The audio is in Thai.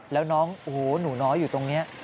แล้วน้องโอ้โหหนูน้อยอยู่ตรงนี้